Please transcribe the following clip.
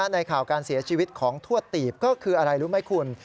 ในข่าวการเสียชีวิตของทวดตีบก็คืออะไรรู้ไหมคุณ